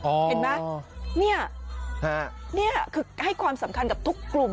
เห็นไหมเนี่ยนี่คือให้ความสำคัญกับทุกกลุ่ม